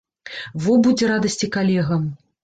Во будзе радасці калегам!